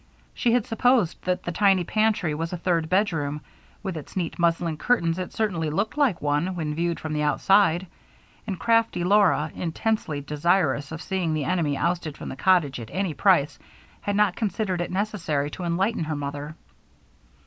She had supposed that the tiny pantry was a third bedroom; with its neat muslin curtains, it certainly looked like one when viewed from the outside; and crafty Laura, intensely desirous of seeing the enemy ousted from the cottage at any price, had not considered it necessary to enlighten her mother.